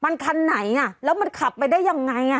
มันคันไหนอ่ะแล้วมันขับไปได้ยังไงอ่ะ